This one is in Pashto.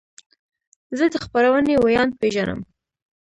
زه د خپرونې ویاند پیژنم.